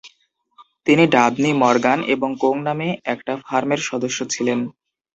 তিনি Dabney, Morgan এবং কোং নামে একটা ফার্মের সদস্য ছিলেন।